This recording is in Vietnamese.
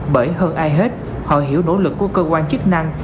bởi hơn ai hết họ hiểu nỗ lực của cơ quan chức năng